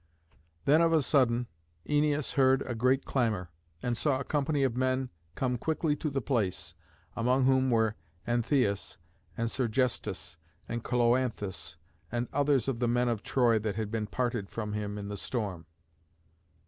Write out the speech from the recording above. Then of a sudden Æneas heard a great clamour, and saw a company of men come quickly to the place, among whom were Antheus and Sergestus and Cloanthus, and others of the men of Troy that had been parted from him in the storm.